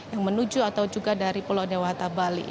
yang menuju atau juga dari pulau dewata bali